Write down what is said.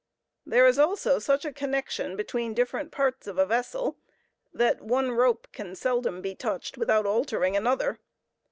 There is also such a connection between different parts of a vessel, that one rope can seldom be touched without altering another.